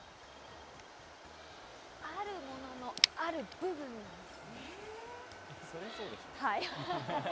あるものの、ある部分です。